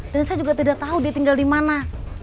dan saya juga tidak tahu dia tinggal dimana